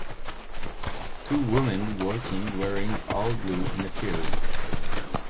Two women walking wearing all blue in a field.